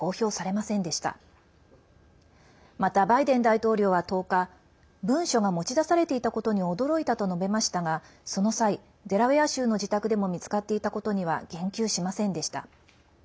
また、バイデン大統領は１０日文書が持ち出されていたことに驚いたと述べましたがその際、デラウェア州の自宅でも見つかっていたことには言及しませんでした。